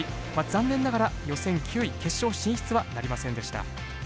残念ながら予選９位決勝進出はなりませんでした。